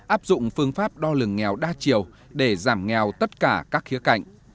áp dụng phương pháp đo lường nghèo đa chiều để giảm nghèo tất cả các khía cạnh